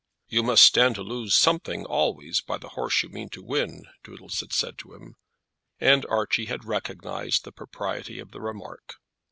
"You must stand to lose something always by the horse you mean to win," Doodles had said to him, and Archie had recognized the propriety of the remark.